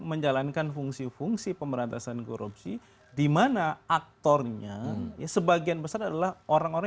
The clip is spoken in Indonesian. menjalankan fungsi fungsi pemerantasan korupsi di mana aktornya sebagian besar adalah orang orang